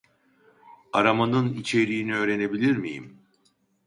Aramanın içeriğini öğrenebilir miyim?